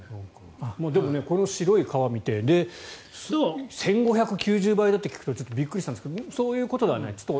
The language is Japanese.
でも、この白い川を見て１５９０倍だと聞くとびっくりしたんですがそういうことではないと。